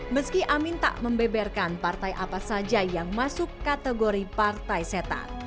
meski amin tak membeberkan partai apa saja yang masuk kategori partai setan